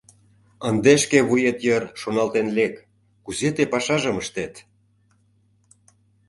Ынде шке вует йыр шоналтен лек: кузе тый пашажым ыштет?